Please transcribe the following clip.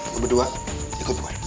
lo berdua ikut gue